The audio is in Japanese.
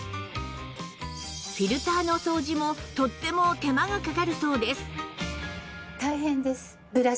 フィルターの掃除もとっても手間がかかるそうです